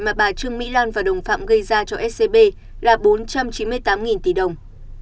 mà bà trương mỹ lan và đồng phạm gây ra cho scb là bốn trăm chín mươi tám tỷ đồng